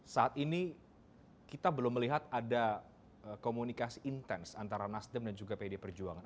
saat ini kita belum melihat ada komunikasi intens antara nasdem dan juga pd perjuangan